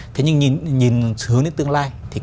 thế nhưng nhìn hướng đến tương lai